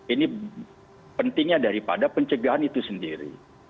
ini pentingnya daripada pencegahan itu sendiri